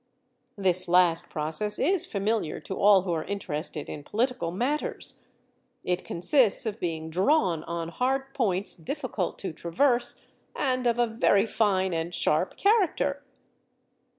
This last process is familiar to all who are interested in political matters. It consists of being drawn on hard points difficult to traverse and of a very fine and sharp character!